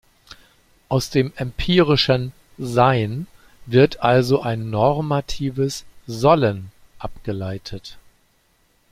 Aus dem empirischen "Sein" wird also ein normatives "Sollen" abgeleitet.